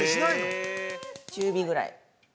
中火ぐらい。